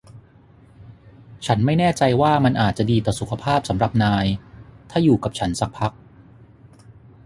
ฉันไม่แน่ใจว่ามันอาจจะดีต่อสุขภาพสำหรับนายถ้าอยู่กับฉันสักพัก